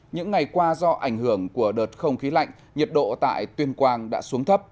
những ngày qua do ảnh hưởng của đợt không khí lạnh nhiệt độ tại tuyên quang đã xuống thấp